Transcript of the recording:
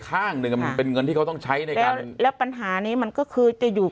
ข้างนึงมันเป็นเงินที่เขาต้องใช้และปัญหานี้มันก็คือจะอยู่